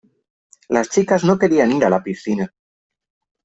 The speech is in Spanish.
Las chicas no querían ir a la piscina.